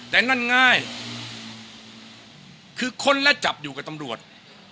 แต่นั่นง่ายคือค้นและจับอยู่กับตำรวจ